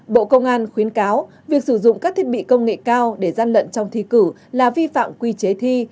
bộ công an khuyến cáo việc sử dụng các thiết bị công nghệ cao để gian lận trong thi cử là vi phạm quy chế thi